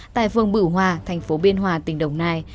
tại phường bửu hòa thành phố biên hòa tỉnh đồng nai